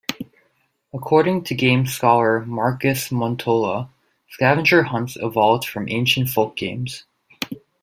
According to game scholar Markus Montola, scavenger hunts evolved from ancient folk games.